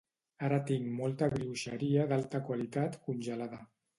Ara tinc molta brioxeria d'alta qualitat congelada